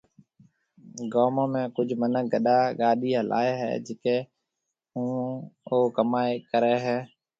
گومون ۾ ڪجھ مِنک گڏا گاڏِي ھلائيَ ھيََََ جڪيَ ھون او ڪمائِي ڪريَ ھيََََ